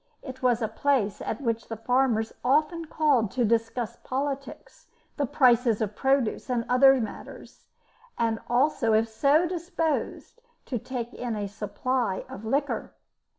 It was a place at which the farmers often called to discuss politics, the prices of produce, and other matters, and also, if so disposed, to take in a supply of liquor.